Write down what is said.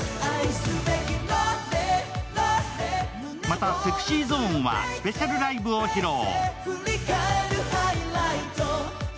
またＳｅｘｙＺｏｎｅはスペシャルライブを披露。